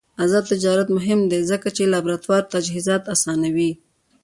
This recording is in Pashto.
آزاد تجارت مهم دی ځکه چې لابراتوار تجهیزات اسانوي.